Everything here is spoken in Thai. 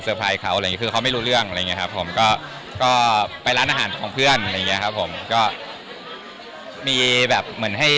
เพราะเขาไม่รู้เรื่องไปร้านอาหารของเพื่อน